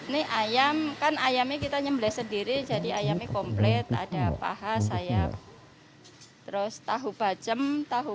nih ayam kan ayamnya kita nyembelah sendiri jadi ayam komplet ada paha sayap terus tahu bajem tahu